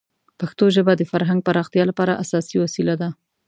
پښتو ژبه د فرهنګ پراختیا لپاره اساسي وسیله ده.